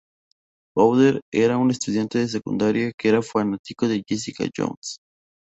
Powder era un estudiante de secundaria que era fanático de Jessica Jones.